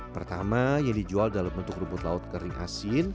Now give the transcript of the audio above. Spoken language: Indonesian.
pertama yang dijual dalam bentuk rumput laut kering asin